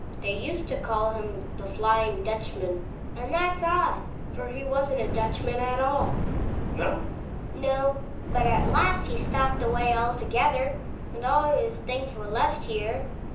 They used to call him The Flying Dutchman." And that's odd, for he wasn't a Dutchman at all. \ Gregers. No ?] Hedvig. No. But at last he stopj)ed away altogether, and all his things were left here.